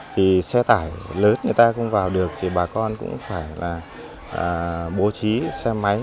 thì xe tải lớn người ta không vào được thì bà con cũng phải là bố trí xe máy